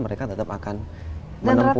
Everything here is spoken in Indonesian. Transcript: mereka tetap akan menempuh